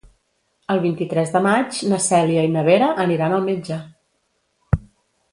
El vint-i-tres de maig na Cèlia i na Vera aniran al metge.